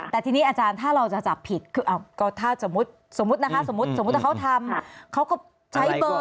แต่ทีนี้อาจารย์ถ้าเราจะจับผิดสมมุติเค้าทำใช้เบอร์อะไรก็ได้